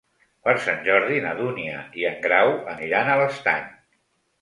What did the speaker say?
Per Sant Jordi na Dúnia i en Grau aniran a l'Estany.